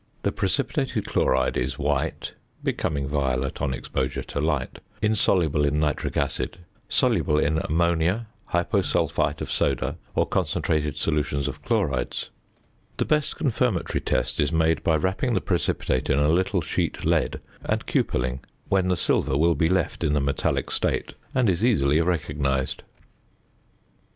The precipitated chloride is white (becoming violet on exposure to light), insoluble in nitric acid, soluble in ammonia, hyposulphite of soda, or concentrated solutions of chlorides. The best confirmatory test is made by wrapping the precipitate in a little sheet lead, and cupelling, when the silver will be left in the metallic state, and is easily recognized.